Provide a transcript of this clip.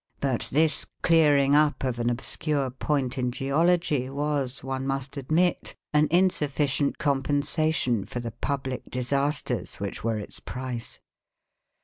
But this clearing up of an obscure point in geology was, one must admit, an insufficient compensation for the public disasters which were its price.